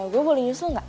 gue boleh nyusul enggak